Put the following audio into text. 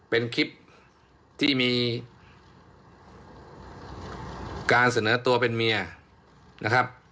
เป็นคลิปที่มีการเสนอตัวเป็นเมียนะครับ